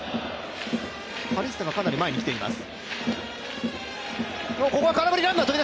カリステがかなり前にきています。